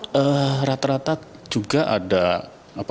kebanyakan karena serangan jantung atau apa